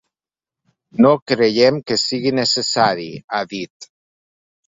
No creiem que sigui necessari, ha dit.